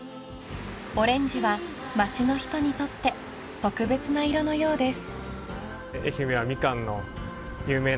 ［オレンジは街の人にとって特別な色のようです］